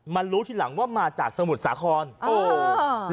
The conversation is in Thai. มันรู้ทีหลังว่ามาจากสมุนสาค้อนอ่อบำนักนิดนาบกร์ดกับกลุ่มเพื่อน